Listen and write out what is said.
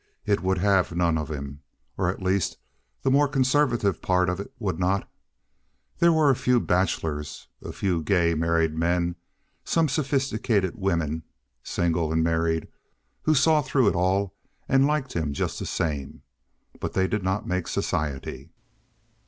It would have none of him, or at least the more conservative part of it would not. There were a few bachelors, a few gay married men, some sophisticated women, single and married, who saw through it all and liked him just the same, but they did not make society.